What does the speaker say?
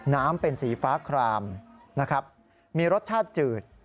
น้ำเป็นสีฟ้าคลามมีรสชาติจืด